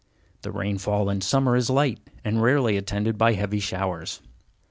The rainfall in summer is light, and rarely attended by heavy showers.